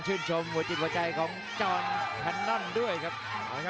แชลเบียนชาวเล็ก